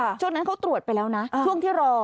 ช่วงนั้นเขาตรวจไปแล้วนะช่วงที่รอ